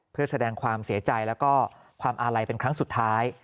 เพื่อแสดงความเสียใจแล้วก็ความอาลัยเป็นครั้งสุดท้าย